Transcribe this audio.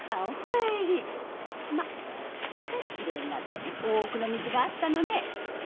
すっかりきれいになって大奥の水が合ったのね。